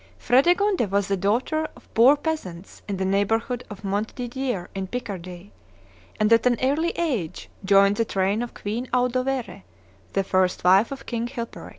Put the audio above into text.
Fredegonde was the daughter of poor peasants in the neighborhood of Montdidier in Picardy, and at an early age joined the train of Queen Audovere, the first wife of King Chilperic.